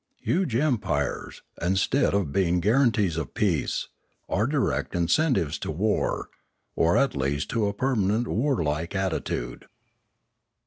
Huge empires, instead of being guaranties of peace, are direct incentives to war, or at least to a permanent warlike attitude.